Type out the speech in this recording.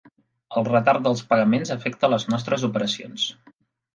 El retard dels pagaments afecta les nostres operacions.